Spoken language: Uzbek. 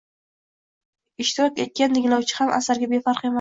Ishtirok etgan tinglovchi ham asarga befarq emas.